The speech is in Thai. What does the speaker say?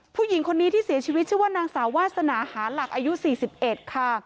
ผู้หญิงคนนี้ที่เสียชีวิตชื่อว่านางสาววาสนาหาหลักอายุ๔๑ค่ะ